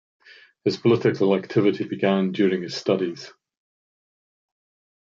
His political activity began during his studies.